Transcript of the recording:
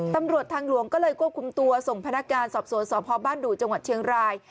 ตำรวจทางหลวงก็เลยควบคุมตัวส่งพนักงานสอบสวนสพบ้านดู่จังหวัดเชียงราย